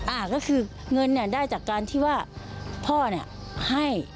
อ่าก็คือเงินเนี่ยได้จากการที่ว่าพ่อเนี่ยให้